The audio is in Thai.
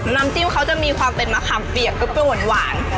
น้ำจิ้มเขาจะมีความเป็นมะขามเปียกเปรี้ยวหวาน